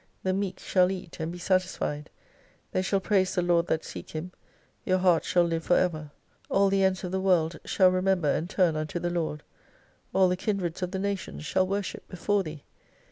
The meek shall eat and be satisfied. They shall praise the Lord that seek Him ; your heart shall live for ever. All the ends of the World shall remember and turn unto the Lord, all the kindreds of the Nations shall worship before Thee.